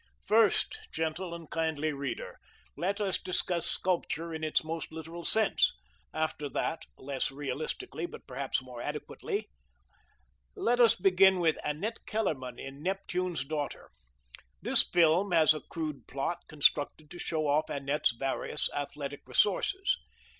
First, gentle and kindly reader, let us discuss sculpture in its most literal sense: after that, less realistically, but perhaps more adequately. Let us begin with Annette Kellerman in Neptune's Daughter. This film has a crude plot constructed to show off Annette's various athletic resources.